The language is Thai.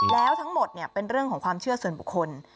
แล้วทั้งหมดเป็นเรื่องของความเชื่อส่วนบุคคล